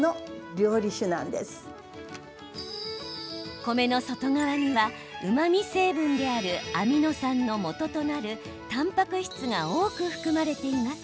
米の外側には、うまみ成分であるアミノ酸のもととなるたんぱく質が多く含まれています。